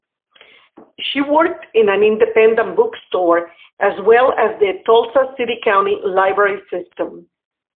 She worked in an independent bookstore as well as the Tulsa City-County Library System.